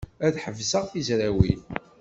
Ad ḥebseɣ tizrawin.